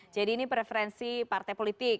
jadi ini preferensi partai politik